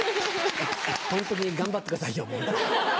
ホントに頑張ってくださいよ。